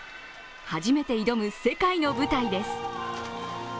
初めて挑む世界の舞台です。